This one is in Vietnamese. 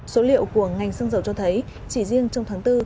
số liệu của ngành xăng dầu cho thấy chỉ riêng trong tháng bốn